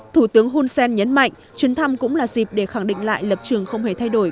thủ tướng hun sen nhấn mạnh chuyến thăm cũng là dịp để khẳng định lại lập trường không hề thay đổi